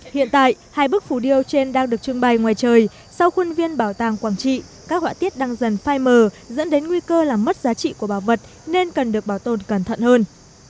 hiện tại hai bức phủ điêu trên đang được trưng bày ngoài trời sau khuôn viên bảo tàng quảng trị các họa tiết đang dần phai mờ dẫn đến nguy cơ làm mất giá trị của bảo vật nên cần được bảo tồn cẩn thận hơn